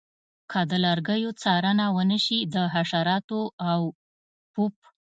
که د لرګیو څارنه ونشي د حشراتو او پوپ